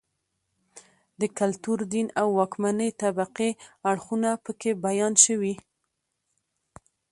د کلتور، دین او واکمنې طبقې اړخونه په کې بیان شوي